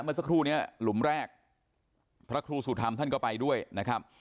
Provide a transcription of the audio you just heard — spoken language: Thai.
เมื่อสักครู่นี้หลุมแรกพระครูสุธรรมท่านก็ไปด้วยนะครับ